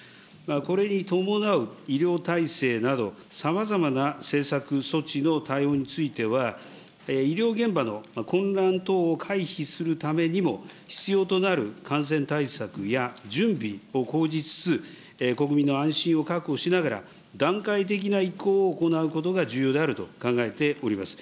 これに伴う医療体制など、さまざまな施策、措置の対応については、医療現場の混乱等を回避するためにも、必要となる感染対策や準備を講じつつ、国民の安心を確保しながら、段階的な移行を行うことが重要であると考えております。